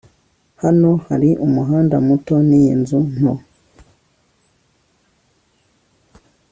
Hano hari umuhanda muto niyi nzu nto